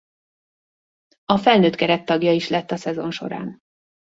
A felnőtt keret tagja is lett a szezon során.